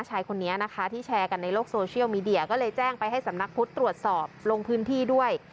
ชายคนนี้นะคะที่แชร์กันในโลกโซเชียลมีเดียก็เลยแจ้งไปให้สำนักพุทธตรวจสอบลงพื้นที่ด้วย